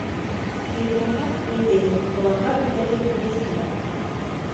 Етмәһә, ниндәйҙер, быларға билдәһеҙ еҫ килә.